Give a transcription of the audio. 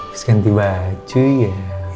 terus ganti baju ya